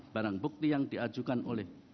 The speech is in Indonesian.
barang bukti yang diajukan oleh